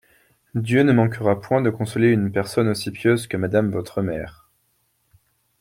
Dieu ne manquera point de consoler une personne aussi pieuse que Madame votre Mère.